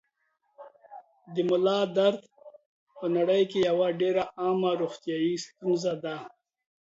د ملا درد په نړۍ کې یوه ډېره عامه روغتیايي ستونزه ده.